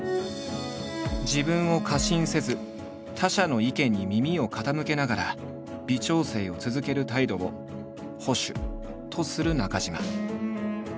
自分を過信せず他者の意見に耳を傾けながら微調整を続ける態度を「保守」とする中島。